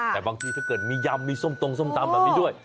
แต่บางทีถ้าเกิดมียำมีส้มตรงส้มตำแบบนี้ด้วย